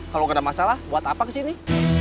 kalau nggak ada masalah buat apa kesini